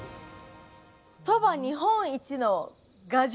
「そば日本一の牙城」。